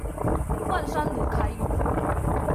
萬山魯凱語